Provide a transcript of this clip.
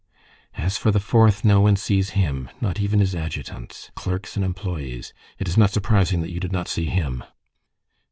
"As for the fourth, no one sees him, not even his adjutants, clerks, and employees. It is not surprising that you did not see him."